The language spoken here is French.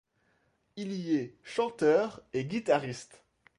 Il y est chanteur et guitariste.